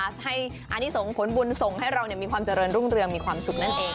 อันนี้ส่งผลบุญส่งให้เรามีความเจริญรุ่งเรืองมีความสุขนั่นเอง